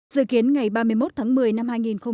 dự kiến ngày ba mươi một tháng một mươi năm hai nghìn hai mươi